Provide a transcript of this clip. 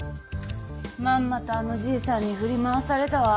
まんまとあのじいさんに振り回されたわ。